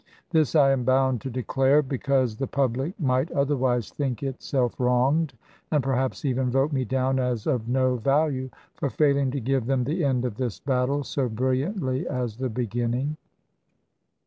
This I am bound to declare; because the public might otherwise think itself wronged, and perhaps even vote me down as of no value, for failing to give them the end of this battle so brilliantly as the beginning.